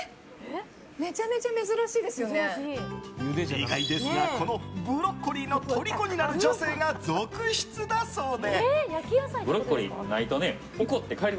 意外ですがこのブロッコリーのとりこになる女性が続出だそうで。